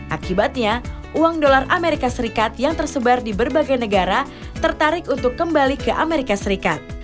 akibatnya uang dolar amerika serikat yang tersebar di berbagai negara tertarik untuk kembali ke amerika serikat